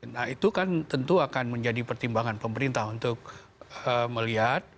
nah itu kan tentu akan menjadi pertimbangan pemerintah untuk melihat